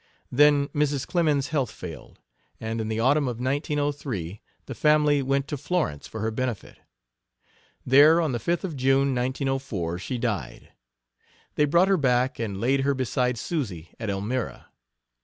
Then Mrs. Clemens's health failed, and in the autumn of 1903 the family went to Florence for her benefit. There, on the 5th of June, 1904, she died. They brought her back and laid her beside Susy, at Elmira.